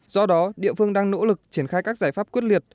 do đó địa phương đang nỗ lực triển khai các giải pháp quyết liệt